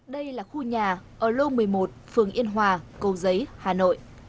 đây là khu nhà ở lô một mươi một phường yên hòa cầu giấy hà nội